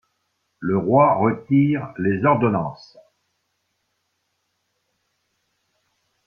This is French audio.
Le Roi retire les ordonnances!